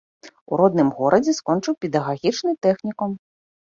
У родным горадзе скончыў педагагічны тэхнікум.